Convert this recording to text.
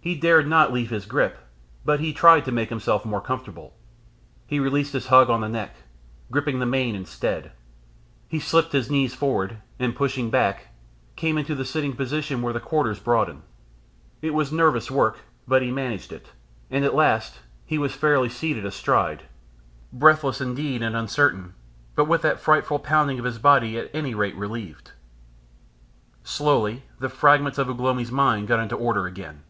He dared not leave his grip, but he tried to make himself more comfortable. He released his hug on the neck, gripping the mane instead. He slipped his knees forward, and pushing back, came into a sitting position where the quarters broaden. It was nervous work, but he managed it, and at last he was fairly seated astride, breathless indeed, and uncertain, but with that frightful pounding of his body at any rate relieved. Slowly the fragments of Ugh lomi's mind got into order again.